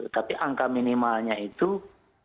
tapi angka minimalnya itu kami sudah sampaikan